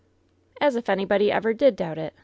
"As if anybody ever did doubt it.